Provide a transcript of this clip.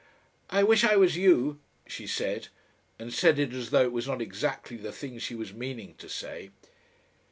"I wish I was you," she said, and said it as though it was not exactly the thing she was meaning to say.